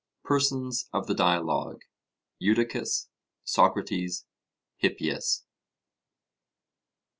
PERSONS OF THE DIALOGUE: Eudicus, Socrates, Hippias.